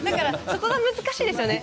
そこが難しいですね。